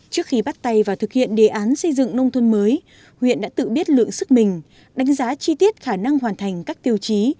trước khi bắt tay vào thực hiện đề án xây dựng nông thôn mới huyện đã tự biết lượng sức mình đánh giá chi tiết khả năng hoàn thành các tiêu chí